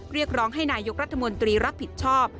เรียกร้องให้นายกรัฐมนตรีรับผิดชอบ